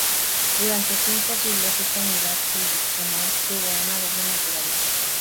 Durante cinco siglos, esta unidad jurisdiccional tuvo una doble naturaleza.